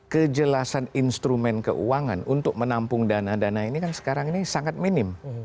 kejelasan instrumen keuangan untuk menampung dana dana ini kan sekarang ini sangat minim